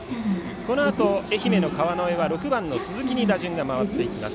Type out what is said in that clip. このあと愛媛の川之江は６番の鈴木に打順が渡ります。